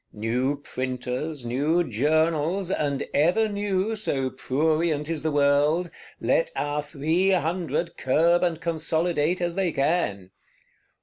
New Printers, new Journals, and ever new (so prurient is the world), let our Three Hundred curb and consolidate as they can!